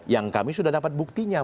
yang kami sudah dapat buktinya